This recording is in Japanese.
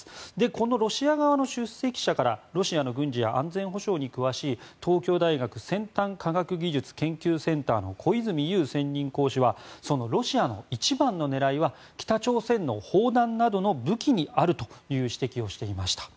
このロシア側の出席者からロシアの軍事や安全保障に詳しい東京大学先端科学技術研究センターの小泉悠専任講師はロシアの一番の狙いは北朝鮮の砲弾などの武器にあるという指摘をしていました。